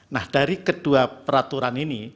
nah dari kedua peraturan ini